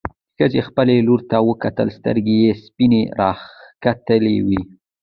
ښځې خپلې لور ته وکتل، سترګې يې سپينې راختلې وې.